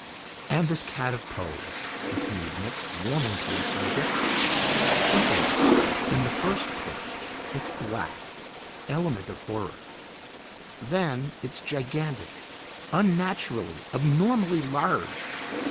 "And this cat of Poe's," continued Nick, warming to his subject. "Just think of it in the first place, it's black; element of horror. Then, it's gigantic, unnaturally, abnormally large.